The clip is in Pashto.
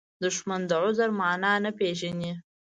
دښمن د عذر معنا نه پېژني